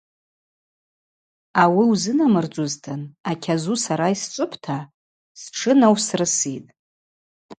Ауи узынамырдзузтын, акьазу сара йсчӏвыпӏта, стшы наусрыситӏ.